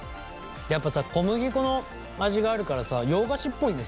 やっぱさ小麦粉の味があるからさ洋菓子っぽいねすごい。